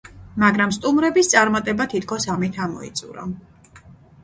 მაგრამ სტუმრების წარმატება თითქოს ამით ამოიწურა.